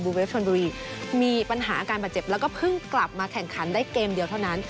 เวฟชนบุรีมีปัญหาอาการบาดเจ็บแล้วก็เพิ่งกลับมาแข่งขันได้เกมเดียวเท่านั้น